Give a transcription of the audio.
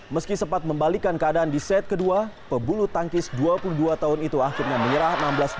meski sempat membalikan keadaan di set kedua pebulu tangkis dua puluh dua tahun itu akhirnya menyerah enam belas dua puluh